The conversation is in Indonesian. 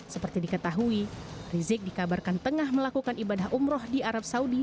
seperti diketahui rizik dikabarkan tengah melakukan ibadah umroh di arab saudi